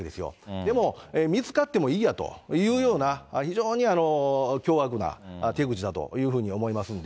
でも見つかってもいいやというような非常に凶悪な手口だというふうに思いますんで。